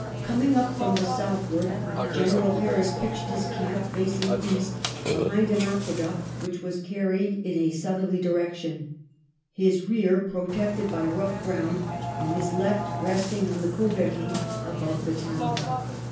Coming up from the southward, General Harris pitched his camp, facing east, behind an aqueduct which was carried in a southerly direction, his rear protected by rough ground, and his left resting on the Cauvery above the town.